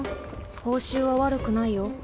報酬は悪くないよ。